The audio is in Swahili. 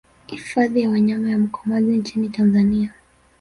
Hifadhi ya wanyama ya Mkomazi nchini Tanzania